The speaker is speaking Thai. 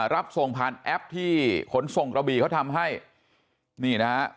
รับส่งผ่านแอปที่ขนส่งกระบีเขาทำให้นี่นะฮะ